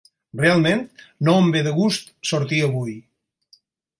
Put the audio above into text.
Realment no em ve de gust sortir avui.